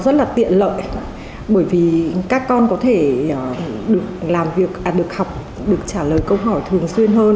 thì các con có thể được làm việc được học được trả lời câu hỏi thường xuyên hơn